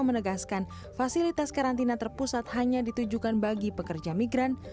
menegaskan fasilitas karantina terpusat hanya ditujukan bagi pekerja migran